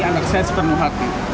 dan akses penuh hati